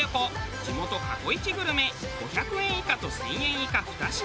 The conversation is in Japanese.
地元過去イチグルメ５００円以下と１０００円以下２品。